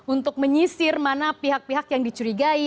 untuk menyisir mana pihak pihak yang dicurigai